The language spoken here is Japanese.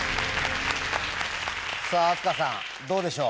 さぁあすかさんどうでしょう？